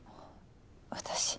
私？